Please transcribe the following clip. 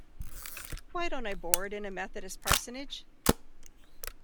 Why don't I board in a Methodist parsonage?